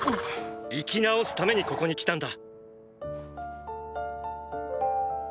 生きなおすためにここに来たんだ。